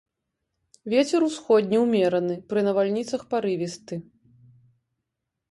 Вецер усходні ўмераны, пры навальніцах парывісты.